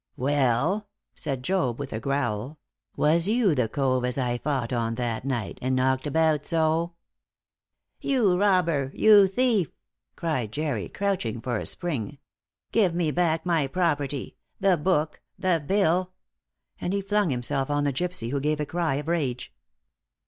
"Well," said Job, with a growl, "was you the cove as I fought on that night, and knocked about so?" "You robber you thief!" cried Jerry, crouching for a spring. "Give me back my property the book, the bill!" and he flung himself on the gypsy, who gave a cry of rage.